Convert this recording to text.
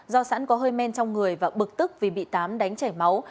do sẵn có hơi men trong người và bực tức vì bị tám đánh chảy máu